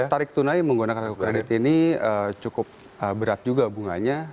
tarik tunai menggunakan kartu kredit ini cukup berat juga bunganya